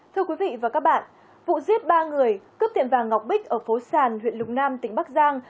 thưa quý vị và các bạn vụ giết ba người cướp tiệm vàng ngọc bích ở phố sàn huyện lục nam tỉnh bắc giang